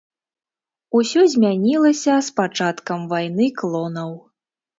Усё змянілася з пачаткам вайны клонаў.